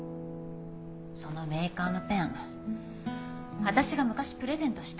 そのメーカーのペン私が昔プレゼントしたの。